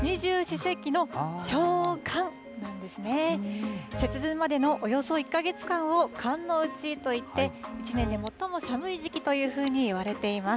節分までのおよそ１か月間を寒の内といって、１年で最も寒い時期というふうにいわれています。